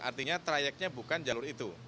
artinya trayeknya bukan jalur itu